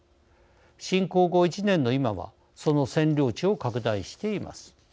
侵攻後１年の今はその占領地を拡大しています。